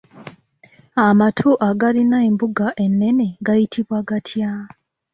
Amatu agalina embuga ennene gayitibwa gatya?